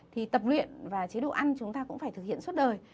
thì tập luyện và chế độ ăn chúng ta cũng phải thực hiện suốt đời